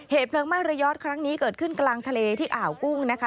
เพลิงไหม้ระยอดครั้งนี้เกิดขึ้นกลางทะเลที่อ่าวกุ้งนะคะ